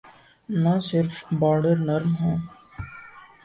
نہ صرف بارڈر نرم ہوں۔